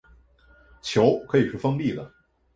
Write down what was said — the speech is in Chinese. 球可以是封闭的。